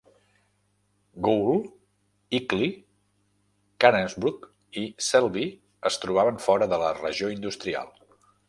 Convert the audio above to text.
Goole, Ilkley, Knaresborough i Selby es trobaven fora de la regió industrial.